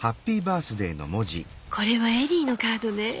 これはエリーのカードね？